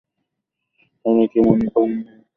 আপনি কি মনে করেন না যে এটি খুব দীর্ঘ সময় ধরে চলছে?